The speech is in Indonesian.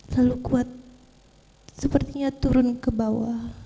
lalu kuat sepertinya turun ke bawah